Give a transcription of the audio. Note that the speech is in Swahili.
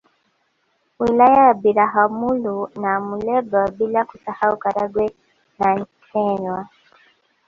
Wilaya ya Biharamulo na Muleba bila kusahau Karagwe na Kyerwa